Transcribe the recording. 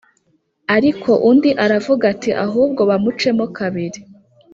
Ariko undi aravuga ati Ahubwo bamucemo kabiri